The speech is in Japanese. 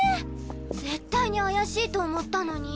絶対に怪しいと思ったのに。